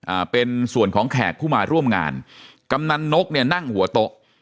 อ่าเป็นส่วนของแขกผู้มาร่วมงานกำนันนกเนี่ยนั่งหัวโต๊ะ